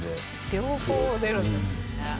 両方出るんですね。